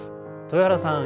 豊原さん